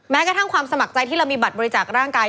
แม้กระทั่งความสมัครใจที่เรามีบัตรบริจาคร่างกาย